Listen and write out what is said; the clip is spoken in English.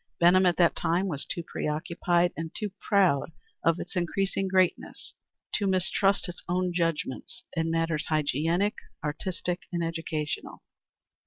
Benham at that time was too preoccupied and too proud of its increasing greatness to mistrust its own judgment in matters hygienic, artistic, and educational.